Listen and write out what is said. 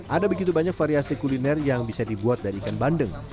ada begitu banyak variasi kuliner yang bisa dibuat dari ikan bandeng